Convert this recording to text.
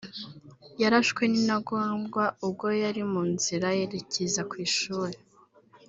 yarashwe n’intagondwa ubwo yari mu nzira yerekeza ku ishuri